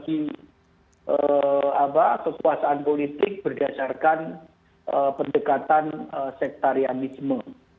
tidak lagi membagi bagi kekuasaan politik berdasarkan pendekatan sektarianisme